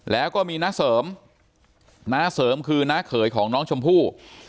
แล้วก็มีน้าเสริมน้าเสริมคือน้าเขยของน้องชมพู่